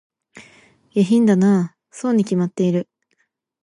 下品だなぁ、そうに決まってる